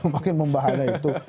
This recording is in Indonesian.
makin membahana itu